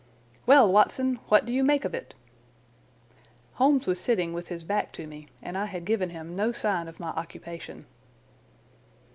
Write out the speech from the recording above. "Well, Watson, what do you make of it?" Holmes was sitting with his back to me, and I had given him no sign of my occupation.